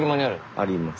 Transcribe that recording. あります。